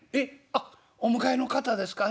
あっお迎えの方ですか。